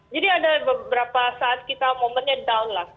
jadi ada beberapa saat kita momennya down lah